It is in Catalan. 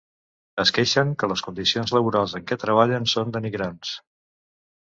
Es queixen que les condicions laborals en què treballen són denigrants.